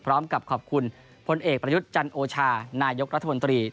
พร้อมกับขอบคุณพลเอกประยุทธ์จันโอชานายกรัฐมนตรี